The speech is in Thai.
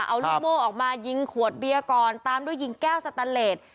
เอาลูกโม่ออกมายิงขวดเบียร์ก่อนตามด้วยยิงแก้วสแตนเลส